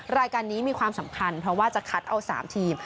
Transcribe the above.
รายการนี้มีความสำคัญเพราะว่าจะคัดเอา๓ทีม